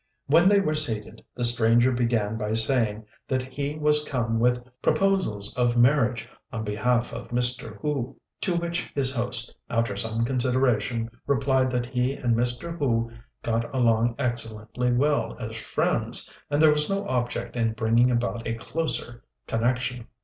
When they were seated, the stranger began by saying that he was come with proposals of marriage on behalf of Mr. Hu; to which his host, after some consideration, replied that he and Mr. Hu got along excellently well as friends, and there was no object in bringing about a closer connection.